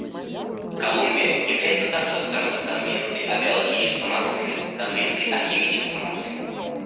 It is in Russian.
Колумбия является также стороной Конвенции о биологическом оружии и Конвенции о химическом оружии.